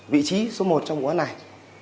vị trí số một trong quán này